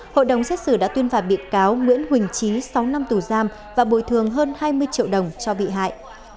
hội đồng xét xử đã tuyên phạt bị cáo nguyễn huỳnh trí sáu năm tù giam và bồi thường hơn hai mươi triệu đồng cho bị hại